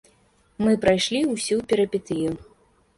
Мы прайшлі ўсю перыпетыю.